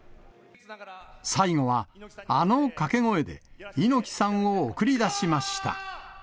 最後は、あのかけ声で猪木さんを送り出しました。